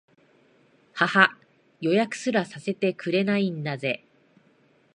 ははっ、予約すらさせてくれないんだぜ